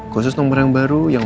khusus nomor yang baru yang